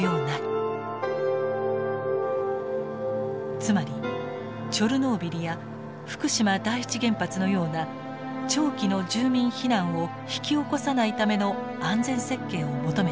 つまりチョルノービリや福島第一原発のような長期の住民避難を引き起こさないための安全設計を求めたのです。